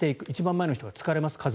一番前の人が疲れます。